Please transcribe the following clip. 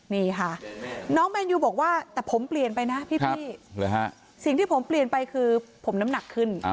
นี่ค่ะน้องแมนยูบอกว่าแต่ผมเปลี่ยนไปนะพี่สิ่งที่ผมเปลี่ยนไปคือผมน้ำหนักขึ้น